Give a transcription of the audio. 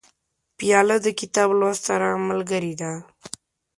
پیاله د کتاب لوست سره ملګرې ده.